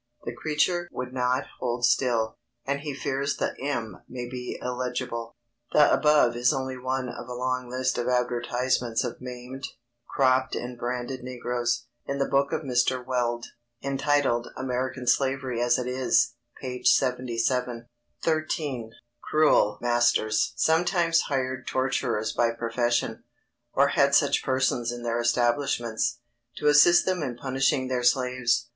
The creature would not hold still, and he fears the M may be illegible. The above is only one of a long list of advertisements of maimed, cropped and branded negroes, in the book of Mr. Weld, entitled American Slavery as It Is, p. 77. XIII. _Cruel masters sometimes hired torturers by profession, or had such persons in their establishments, to assist them in punishing their slaves.